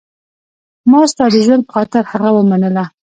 ما ستا د ژوند په خاطر هغه ومنله.